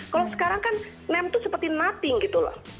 kalau sekarang kan name tuh seperti nothing gitu loh